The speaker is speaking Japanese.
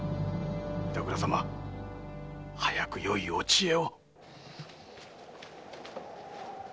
板倉様早くよいお知恵を。